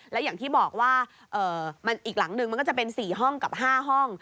แล้วอย่างที่บอกว่ามันอีกหลังนึงมันก็จะเป็น๔ห้องกับ๕ห้อง